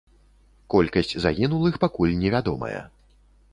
Колькасць загінулых пакуль не вядомая.